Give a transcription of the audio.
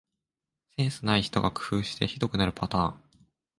センスない人が工夫してひどくなるパターン